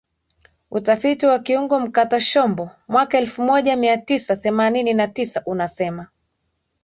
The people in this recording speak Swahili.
Utafiti wa kiungo mkata shombo mwaka elfu moja mia tisa themanini na tisa unasema